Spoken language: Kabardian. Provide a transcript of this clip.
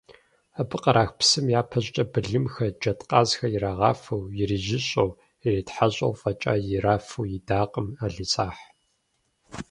Абы кърах псым, япэ щӏыкӏэ, былымхэр, джэдкъазхэр ирагъафэу, ирижьыщӏэу, иритхьэщӏэу фӏэкӏа ирафу идакъым ӏэлисахь.